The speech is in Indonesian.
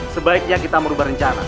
sebaiknya kita merubah rencana